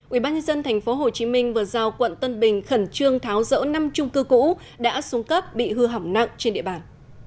ubnd tp hcm vừa giao quận tân bình khẩn trương tháo rỡ năm trung cư cũ đã xuống cấp bị hư hỏng nặng trên địa bàn